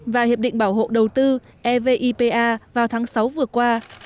và hiệp định bảo hộ đầu tư evipa vào tháng sáu vừa qua